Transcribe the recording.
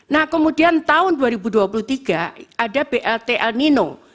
nah kemudian tahun dua ribu dua puluh tiga ada blt el nino